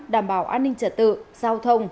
đảm bảo an ninh trật tự giao thông